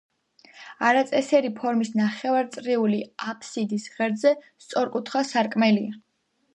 არაწესიერი ფორმის ნახევარწრიული აფსიდის ღერძზე სწორკუთხა სარკმელია.